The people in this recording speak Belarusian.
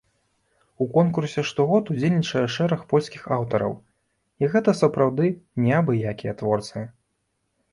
У конкурсе штогод удзельнічае шэраг польскіх аўтараў, і гэта сапраўды не абы-якія творцы.